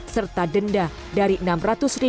serta denda dari rp enam ratus sampai rp enam